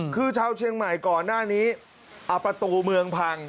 คือชาวเชียงใหม่ก่อนหน้านี้เอาประตูเมืองพัง